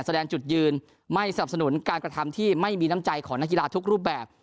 แสดงจุดยืนไม่สนับสนุนการกระทำที่ไม่มีน้ำใจของนักกีฬาทุกรูปแบบ